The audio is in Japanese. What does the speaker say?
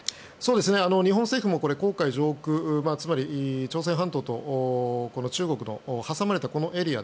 日本政府も黄海上空つまり朝鮮半島と中国の挟まれたこのエリア